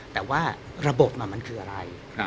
แต่ว่าระบบมันคืออะไร